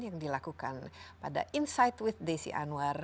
yang dilakukan pada insight with desi anwar